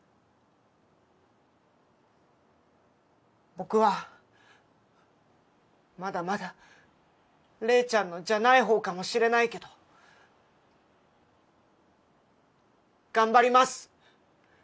僕はまだまだ麗ちゃんのじゃない方かもしれないけど頑張ります。